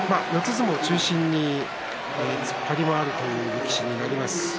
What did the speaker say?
相撲中心に突っ張りもあるという力士になります。